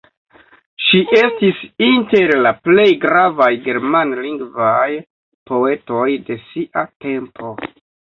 Ŝi estis inter la plej gravaj germanlingvaj poetoj de sia tempo.